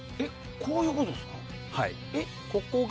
こういうことですか？